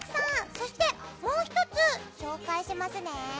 そして、もう１つ紹介しますね。